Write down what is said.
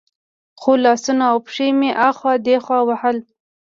خو لاسونه او پښې مې اخوا دېخوا وهل.